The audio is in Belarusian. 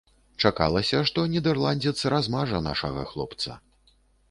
Чакалася, што нідэрландзец размажа нашага хлопца.